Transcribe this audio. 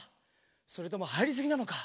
それともはいりすぎなのか？